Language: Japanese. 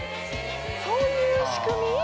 そういう仕組み？